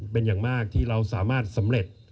เป็นอย่างมากที่เราสามารถสำเร็จ